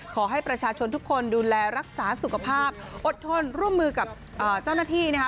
ขอให้ประชาชนทุกคนดูแลรักษาสุขภาพอดทนร่วมมือกับเจ้าหน้าที่นะคะ